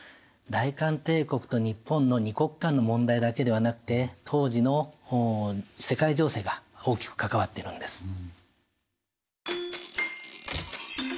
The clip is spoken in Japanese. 大韓帝国と日本の二国間の問題だけではなくて当時の世界情勢が大きく関わってるんです。